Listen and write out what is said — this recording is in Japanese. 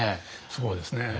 そうですね。